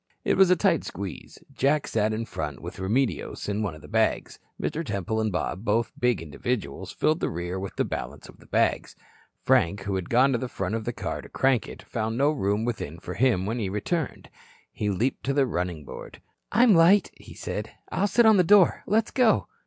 It was a tight squeeze. Jack sat in front with Remedios and one of the bags. Mr. Temple and Bob, both big individuals, filled the rear with the balance of the bags. Frank, who had gone to the front of the car to crank it, found no room within for him when he returned. He leaped to the running board. "I'm light," he said. "I'll sit on the door. Let's go."